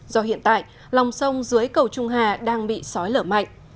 do hiện tại lòng sông dưới cầu trung hà đang bị sói lở mạnh